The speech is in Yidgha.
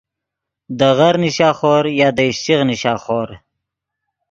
دے غر نیشا خور یا دے اِشچیغ نیشا خور